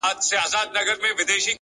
هوښیار انسان له تېروتنو زده کړه کوي’